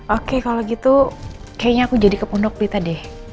oke kalau gitu kayaknya aku jadi kepundok di tadi